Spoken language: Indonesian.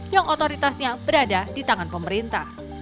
yang otoritasnya berada di tangan pemerintah